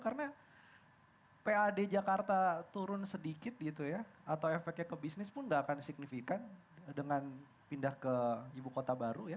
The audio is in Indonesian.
karena pad jakarta turun sedikit gitu ya atau efeknya ke bisnis pun nggak akan signifikan dengan pindah ke ibu kota baru ya